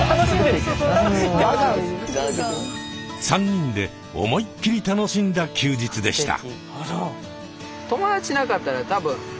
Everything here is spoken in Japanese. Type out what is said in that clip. ３人で思いっきり楽しんだ休日でした。